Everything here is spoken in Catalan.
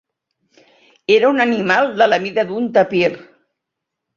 Era un animal de la mida d'un tapir.